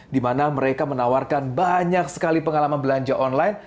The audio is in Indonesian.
di mana mereka menawarkan banyak sekali pengalaman belanja online